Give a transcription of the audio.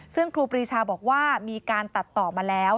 ซึ่งครูปรีชาบอกว่ามีการตัดต่อมาแล้ว